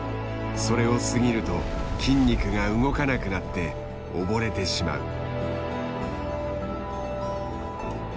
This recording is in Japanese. それを過ぎると筋肉が動かなくなって溺れてしまう。